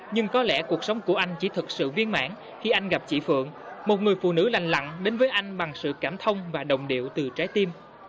nhưng có lẽ cuộc sống của anh chỉ thực sự viên mãn khi anh gặp chị phượng một người phụ nữ lành lặng đến với anh bằng sự cảm thông và đồng điệu từ trái tim